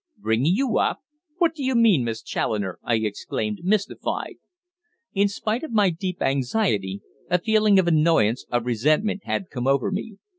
"Bringing you up? What do you mean, Miss Challoner?" I exclaimed, mystified. In spite of my deep anxiety, a feeling of annoyance, of resentment, had come over me.